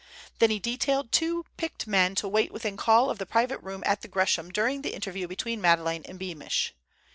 Then he detailed two picked men to wait within call of the private room at the Gresham during the interview between Madeleine and Beamish.